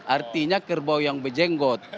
artinya kerbau yang bejenggot